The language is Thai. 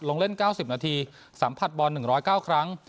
ลงเล่น๙๐นาทีสัมผัสบอล๑๐๙ครั้ง